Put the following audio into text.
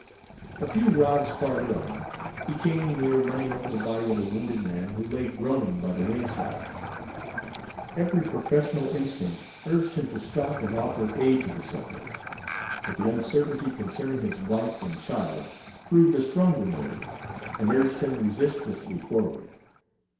A few rods farther on, he came near running over the body of a wounded man who lay groaning by the wayside. Every professional instinct urged him to stop and offer aid to the sufferer; but the uncertainty concerning his wife and child proved a stronger motive and urged him resistlessly forward.